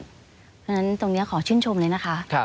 เพราะฉะนั้นตรงนี้ขอชื่นชมเลยนะคะ